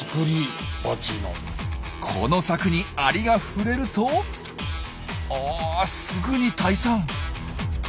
この柵にアリが触れるとあすぐに退散。